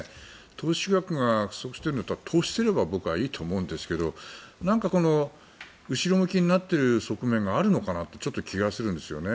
投資額が不足してるんだったら投資すればいいと思うんですけどなんか後ろ向きになってる側面があるのかなってちょっと気がするんですよね。